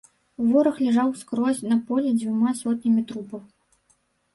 Вораг ляжаў скрозь на полі дзвюма сотнямі трупаў.